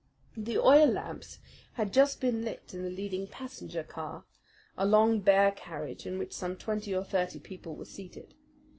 The oil lamps had just been lit in the leading passenger car, a long, bare carriage in which some twenty or thirty people were seated.